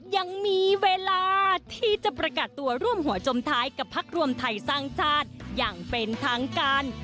ยังมีเวลาที่จะประกาศตัวร่วมหัวจมท้ายกับพักรวมไทยสร้างชาติอย่างเป็นทางการ